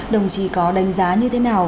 đồng chí có đánh giá như thế nào